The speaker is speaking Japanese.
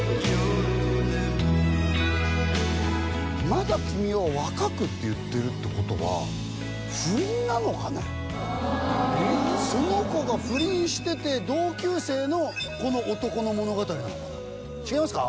「まだ君は若く」って言ってるってことはその子が不倫してて同級生のこの男の物語なのかな違いますか？